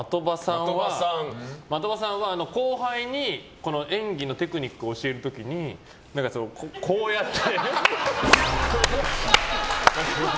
的場さんは後輩に演技のテクニックを教える時にこうやって。